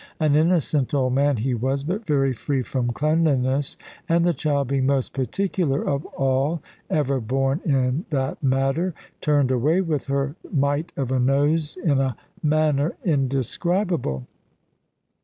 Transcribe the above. An innocent old man he was, but very free from cleanliness; and the child being most particular of all ever born in that matter, turned away with her mite of a nose, in a manner indescribable.